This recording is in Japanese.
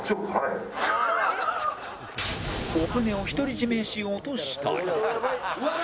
お金を独り占めしようとしたり